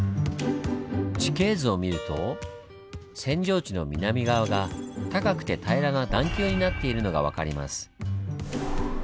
地形図を見ると扇状地の南側が高くて平らな段丘になっているのが分かります。